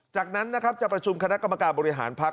จากนั้นนะครับจะประชุมคณะกรรมการบริหารพักษ